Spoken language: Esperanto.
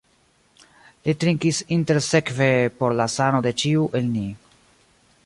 Li trinkis intersekve por la sano de ĉiu el ni.